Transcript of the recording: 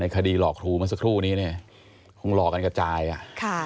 ในคดีหลอกทูลมาสักครู่นี้เนี่ยคงหลอกันกับจ่ายอ่ะค่ะ